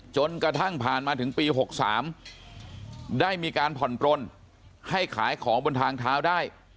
จนกระทั่งผ่านมาถึงปี๖๓ได้มีการผ่อนปลนให้ขายของบนทางเท้าได้